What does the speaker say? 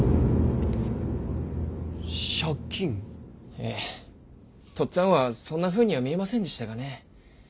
ええとっつあんはそんなふうには見えませんでしたがね。